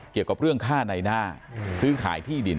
เกี่ยวกับเรื่องค่าในหน้าซื้อขายที่ดิน